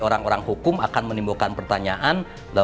orang orang hukum akan menimbulkan pertanyaan